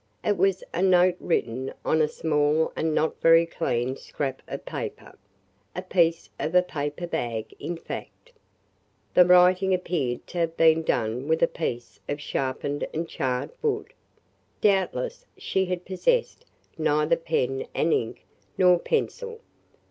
It was a note written on a small and not very clean scrap of paper – a piece of a paper bag, in fact. The writing appeared to have been done with a piece of sharpened and charred wood. Doubtless she had possessed neither pen and ink nor pencil.